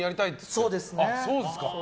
そうですね。